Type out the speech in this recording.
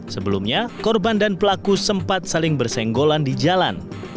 sebelumnya korban dan pelaku sempat saling bersenggolan di jalan